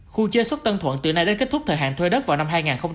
khu chế xuất tân thuận từ nay đến kết thúc thời hạn thuê đất vào năm hai nghìn hai mươi